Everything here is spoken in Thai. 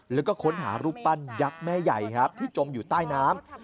แล้วก็ค้นหารูปปั้นยักษ์แม่ใหญ่ครับที่จมอยู่ใต้น้ำ